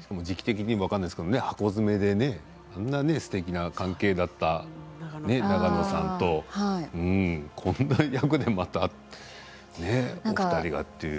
しかも時期的に分からないですけれども「ハコヅメ」ですてきな関係だった永野さんとこんな役でもまたお二人がという。